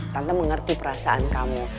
tante mengerti perasaan kamu